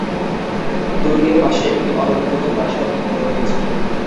দুর্গের পাশে একটি অলঙ্কৃত প্রাসাদ নির্মিত হয়েছিল।